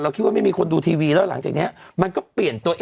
คิดว่าไม่มีคนดูทีวีแล้วหลังจากนี้มันก็เปลี่ยนตัวเอง